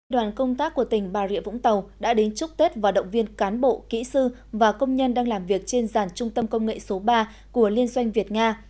đoàn công tác của tỉnh bà rịa vũng tàu đã đến chúc tết và động viên cán bộ kỹ sư và công nhân đang làm việc trên giàn trung tâm công nghệ số ba của liên doanh việt nga